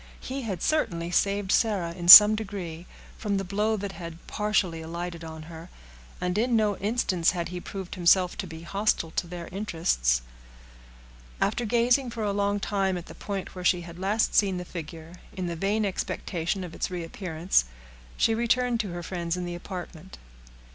He had certainly saved Sarah in some degree, from the blow that had partially alighted on her, and in no instance had he proved himself to be hostile to their interests. After gazing for a long time at the point where she had last seen the figure, in the vain expectation of its reappearance, she turned to her friends in the apartment.